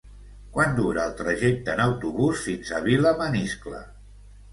Quant dura el trajecte en autobús fins a Vilamaniscle?